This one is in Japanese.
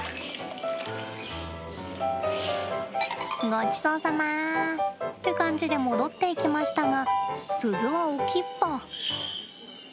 ごちそうさまって感じで戻っていきましたが鈴は置きっぱ。